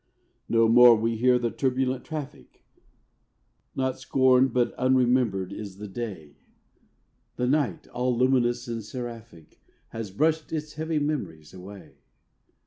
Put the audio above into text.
No more we hear the turbulent traffic, Not scorned but unremembered is the day; The Night, all luminous and seraphic, Has brushed its heavy memories away.